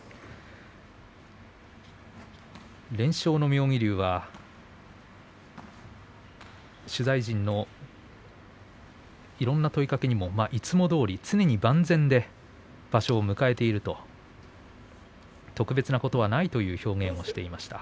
連勝の妙義龍は取材陣のいろんな問いかけにもいつもどおり常に万全で場所を迎えていると特別なことはないという表現をしていました。